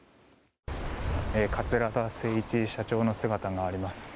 桂田精一社長の姿があります。